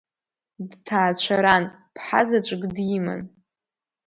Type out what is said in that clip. Дҭаацәаран, ԥҳа заҵәык диман.